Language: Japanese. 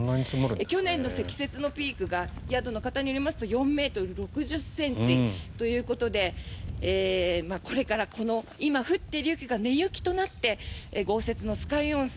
去年の積雪のピークが宿の方によりますと４ｍ６０ｃｍということでこれから、今降っている雪が根雪となって豪雪の酸ヶ湯温泉